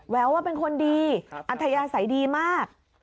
แววว่าเป็นคนดีอัธยาศัยดีมาก